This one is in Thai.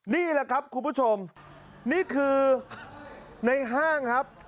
นี่แหละครับคุณผู้ชมนี่คือในห้างครับ